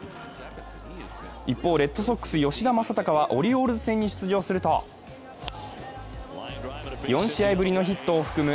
一方、レッドソックス・吉田正尚はオリオールズ戦に出場すると４試合ぶりのヒットを含む